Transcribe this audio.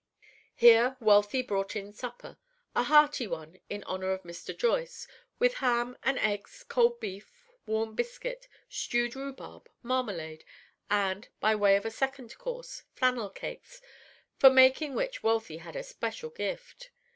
Here Wealthy brought in supper, a hearty one, in honor of Mr. Joyce, with ham and eggs, cold beef, warm biscuit, stewed rhubarb, marmalade, and, by way of a second course, flannel cakes, for making which Wealthy had a special gift.